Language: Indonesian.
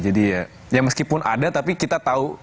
jadi ya meskipun ada tapi kita tahu